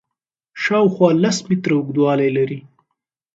شاوخوا لس متره اوږدوالی لري.